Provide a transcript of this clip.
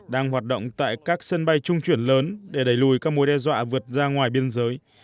đang hoạt động tại các sân bay trung chuyển lớn để đẩy lùi các mối đe dọa vượt ra ngoài biên giới